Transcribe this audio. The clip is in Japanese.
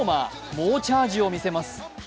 猛チャージを見せます。